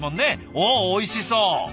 おおいしそう！